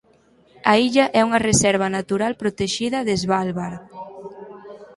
A illa é unha reserva natural protexida de Svalbard.